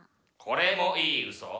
これもいいウソ？